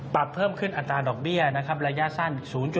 ปรับเพิ่มขึ้นอัตราดอกเบี้ยนะครับระยะสั้น๐๙